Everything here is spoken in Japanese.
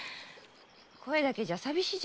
声だけじゃ寂しいよ。